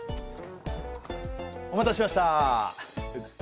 お待たせしました。